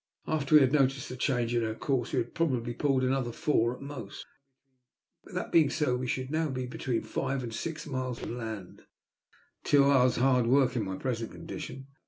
After we had noticed the change in her course we had probably pulled another four at most. That being so, we should now be between five and six miles from land— two hours' hard work in my present condition.